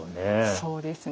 そうですね。